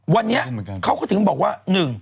วันนี้เขาก็ถึงบอกว่า